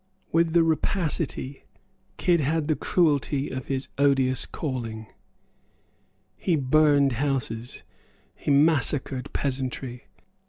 With the rapacity Kidd had the cruelty of his odious calling. He burned houses; he massacred peasantry.